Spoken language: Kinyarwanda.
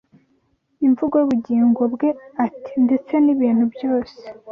imvugo y’ubugingo bwe ati: Ndetse n’ibintu byose